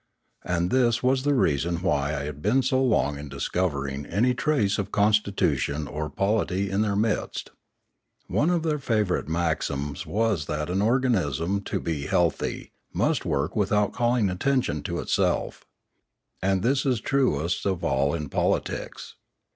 And this was the reason why I had been so long in discovering I any trace of constitution or polity in their midst. One of their favourite maxims was that an organism to be Ihealthy must work without calling attention to itself. *And this is truest of all in politics.